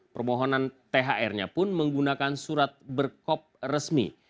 permohonan thr nya pun menggunakan surat berkop resmi